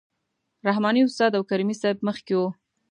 رحماني استاد او کریمي صیب مخکې وو.